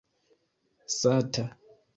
sata